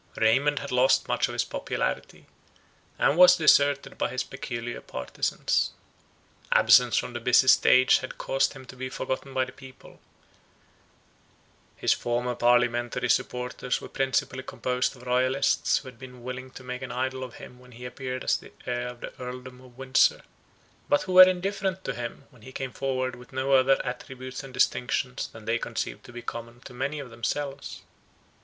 Raymond had lost much of his popularity, and was deserted by his peculiar partizans. Absence from the busy stage had caused him to be forgotten by the people; his former parliamentary supporters were principally composed of royalists, who had been willing to make an idol of him when he appeared as the heir of the Earldom of Windsor; but who were indifferent to him, when he came forward with no other attributes and distinctions than they conceived to be common to many among themselves.